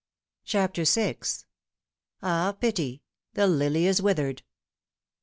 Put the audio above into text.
CHAPTER VL AH ! PITY ! THE LILY IS WITHERED."